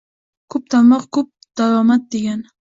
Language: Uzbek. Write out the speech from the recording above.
Ko‘p tarmoq ko‘p daromad degani